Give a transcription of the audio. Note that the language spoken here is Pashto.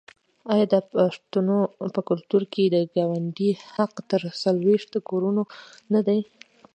آیا د پښتنو په کلتور کې د ګاونډي حق تر څلوېښتو کورونو نه دی؟